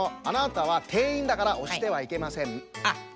あなたはてんいんだからおしてはいけません。